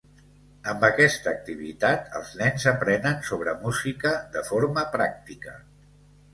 Amb aquesta activitat, els nens aprenen sobre música de forma pràctica.